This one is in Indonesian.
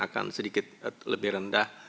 akan sedikit lebih rendah